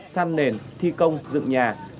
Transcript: săn nền thi công dựng nhà